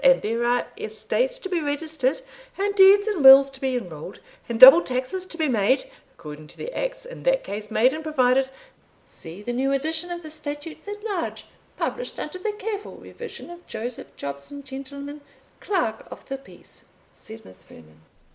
And there are estates to be registered, and deeds and wills to be enrolled, and double taxes to be made, according to the acts in that case made and provided" "See the new edition of the Statutes at Large, published under the careful revision of Joseph Jobson, Gent., Clerk of the Peace," said Miss Vernon.